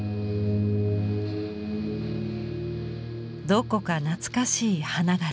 どこか懐かしい花柄。